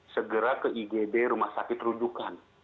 segera ke igd rumah sakit rujukan